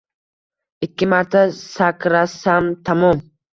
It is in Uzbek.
Ikki marta sakrasamtamom